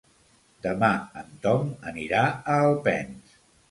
Demà en Tom anirà a Alpens.